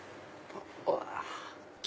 うわ！